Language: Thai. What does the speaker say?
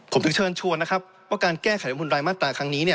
ผมถึงเชิญชวนนะครับว่าการแก้ไขบุญรายมาตราครั้งนี้เนี่ย